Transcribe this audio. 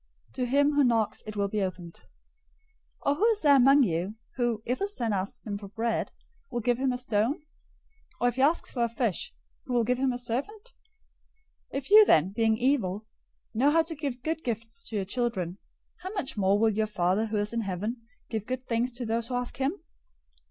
To him who knocks it will be opened. 007:009 Or who is there among you, who, if his son asks him for bread, will give him a stone? 007:010 Or if he asks for a fish, who will give him a serpent? 007:011 If you then, being evil, know how to give good gifts to your children, how much more will your Father who is in heaven give good things to those who ask him!